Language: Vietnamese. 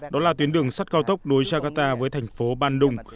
đó là tuyến đường sắt cao tốc nối jakarta với thành phố bandung